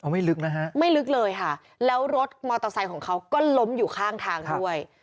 ไม่ลึกนะฮะไม่ลึกเลยค่ะแล้วรถมอเตอร์ไซค์ของเขาก็ล้มอยู่ข้างทางด้วย